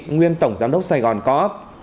nguyên tổng giám đốc sài gòn co op